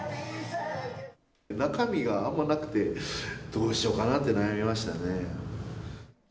中身があんまりなくてどうしようかなって悩みましたね。